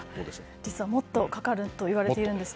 実はもっとかかるといわれているんです。